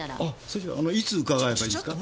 それじゃいつ伺えばいいですか？